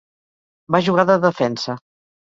Va jugar de defensa.